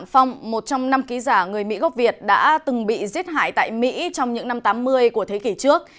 phong một trong năm ký giả người mỹ gốc việt đã từng bị giết hại tại mỹ trong những năm tám mươi của thế kỷ trước